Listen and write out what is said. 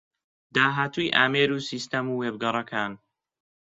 داهاتووی ئامێر و سیستەم و وێبگەڕەکان